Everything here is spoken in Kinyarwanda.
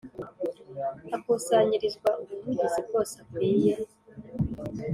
akusanyirizwa ubuvugizi bwose akwiye